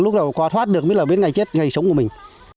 lúc nào qua thoát được mới là biết ngày chết ngày sống của mình